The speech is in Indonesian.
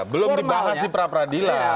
belum dibahas di peradilan